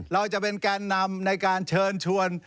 เราจะเป็นแกนนำในการเชิญชวน